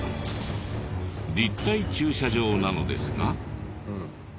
立体駐車場なのですが。